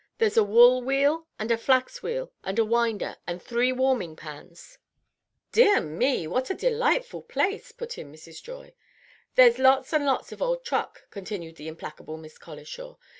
"There's a wool wheel, and a flax wheel, and a winder, and three warming pans " "Dear me! What a delightful place!" put in Mrs. Joy. "There's lots and lots of old truck," continued the implacable Miss Colishaw.